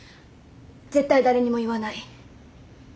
絶対誰にも言わない。